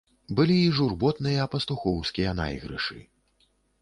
Былі і журботныя пастухоўскія найгрышы.